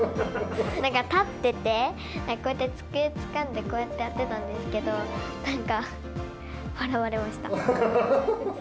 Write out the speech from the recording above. なんか立ってて、こうやって机つかんで、こうやってやってたんですけど、なんか笑われました。